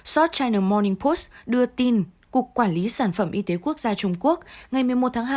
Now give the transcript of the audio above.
sot china morning post đưa tin cục quản lý sản phẩm y tế quốc gia trung quốc ngày một mươi một tháng hai